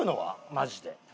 マジで。